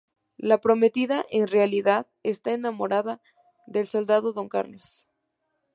La prometida, en realidad, está enamorada del soldado Don Carlos.